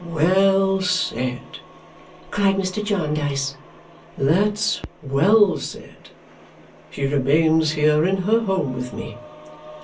"Well said!" cried Mr. Jarndyce. "That's well said! She remains here, in her home with me.